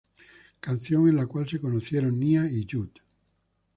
Canción con la cual se conocieron Nya y Jud.